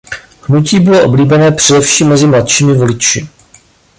Hnutí bylo oblíbené především mezi mladšími voliči.